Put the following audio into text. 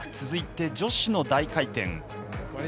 続いて女子の大回転。